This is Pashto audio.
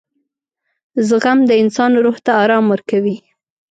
• زغم د انسان روح ته آرام ورکوي.